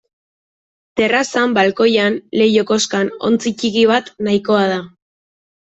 Terrazan, balkoian, leiho-koskan ontzi ttiki bat nahikoa da.